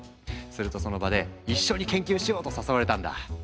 するとその場で「一緒に研究しよう」と誘われたんだ。